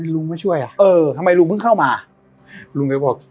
ลุงมาช่วยอ่ะเออทำไมลุงเพิ่งเข้ามาลุงเขาก็บอก